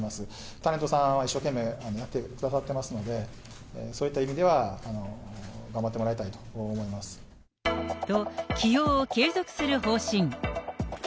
タレントさんは一生懸命やってくださってますので、そういった意味では、と、起用を継続する方針。